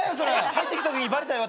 入ってきたときにバレたよ。